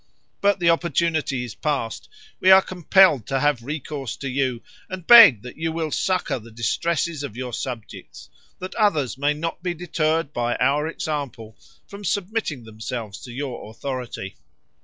But the opportunity is past; we are compelled to have recourse to you, and beg that you will succor the distresses of your subjects, that others may not be deterred by our example from submitting themselves to your authority.